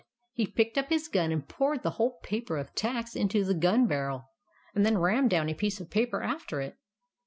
He picked up his gun and poured the whole paper of tacks into the gun barrel, and then rammed down a piece of paper after it.